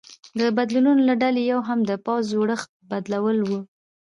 د بدلونونو له ډلې یو هم د پوځ جوړښت بدلول و